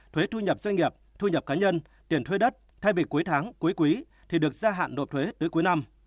thuế thu nhập doanh nghiệp thu nhập cá nhân tiền thuê đất thay vì cuối tháng cuối quý thì được gia hạn nộp thuế tới cuối năm